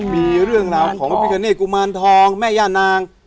มีเรื่องราวของพระพิกาเนตกุมารทองแม่ย่านาง